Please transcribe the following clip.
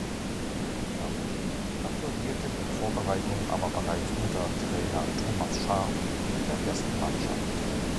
Liga, absolvierte die Vorbereitung aber bereits unter Trainer Thomas Schaaf mit der ersten Mannschaft.